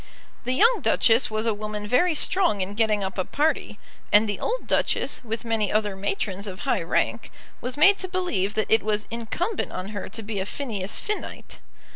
The young Duchess was a woman very strong in getting up a party; and the old Duchess, with many other matrons of high rank, was made to believe that it was incumbent on her to be a Phineas Finnite.